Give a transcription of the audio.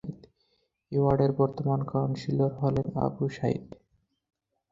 এ ওয়ার্ডের বর্তমান কাউন্সিলর হলেন আবু সাঈদ।